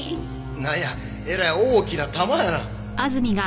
なんやえらい大きな玉やな。